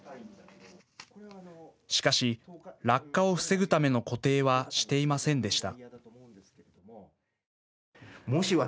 しかし、落下を防ぐための固定はしていませんでした。